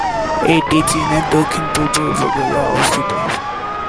এটি চীনের দক্ষিণ-পূর্ব উপকূলে অবস্থিত।